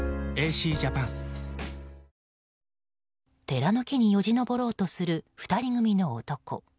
寺の木によじ登ろうとする２人組の男。